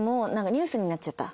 ニュースになっちゃった？